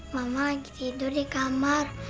mama lagi tidur di kamar